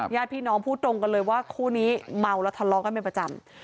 ญาติพี่น้องพูดตรงกันเลยว่าคู่นี้เมาแล้วทะเลาะกันเป็นประจำ